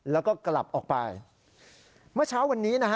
แล้วก็กลับออกไป